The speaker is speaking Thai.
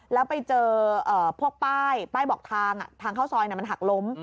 แล้วไปเจอพวกป้ายบอกทางทางเข้าซอยมันหักล้ม